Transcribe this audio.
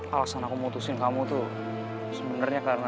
alasan aku memutuskan kamu tuh sebenernya karena